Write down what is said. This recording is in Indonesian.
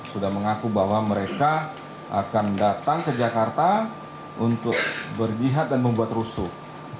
sudah mengaku bahwa mereka akan datang ke jakarta untuk berjihad dan membuat rusuh